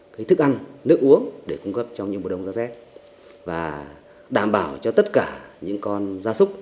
cái thức ăn nước uống để cung cấp cho những mùa đông rét và đảm bảo cho tất cả những con da súc